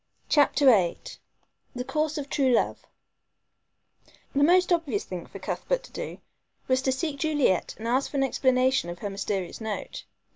CHAPTER VIII THE COURSE OF TRUE LOVE The most obvious thing for Cuthbert to do was to seek Juliet and ask for an explanation of her mysterious note.